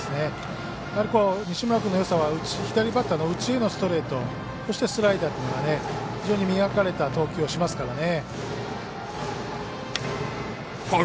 西村君のよさは左バッターの内へのストレートそしてスライダーという非常に磨かれた投球をしますからね。